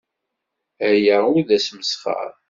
Aya ur d asmesxer.